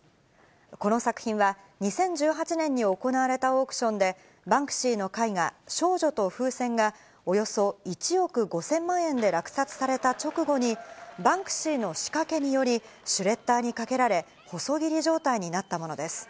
この作品は２０１８年に行われたオークションで、バンクシーの絵画、少女と風船が、およそ１億５０００万円で落札された直後に、バンクシーの仕掛けにより、シュレッダーにかけられ、細切り状態になったものです。